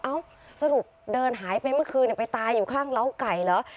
สรุปเดินหายไปเมื่อคืนไปตายอยู่ข้างเล้าไก่เหรอ